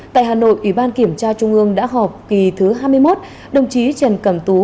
đội ủy ban kiểm tra trung ương đã họp kỳ thứ hai mươi một đồng chí trần cẩm tú